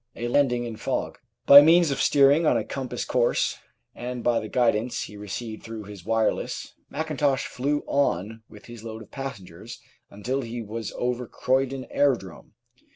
A Landing in Fog By means of steering on a compass course, and by the guidance he received through his wireless, Mackintosh flew on 848 The Outline of Science with his load of passengers until he was over Croydon Aero drome.